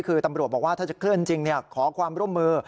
คือตำรวจบอกว่าถ้าจะเคลื่อนจริงขอความร่วมมือ